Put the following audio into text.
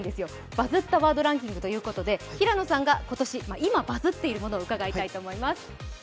「バズったワードランキング」ということで、平野さんが今、バズっているものを伺いたいと思います。